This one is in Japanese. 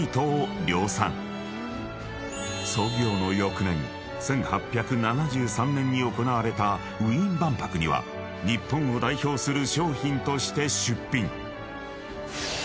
［操業の翌年１８７３年に行われたウィーン万博には日本を代表する商品として出品］